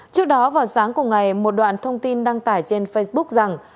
trước đó vào sáng cùng ngày một đoạn thông tin đăng tải trên facebook rằng